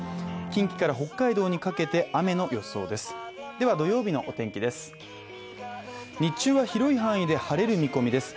近畿から北海道にかけて雨の予想です。